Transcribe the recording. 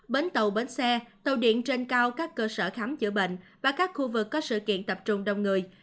bến tàu bến xe tàu điện trên cao các cơ sở khám chữa bệnh và các khu vực có sự kiện tập trung đông người